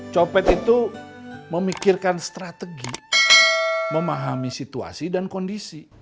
copet itu memikirkan strategi memahami situasi dan kondisi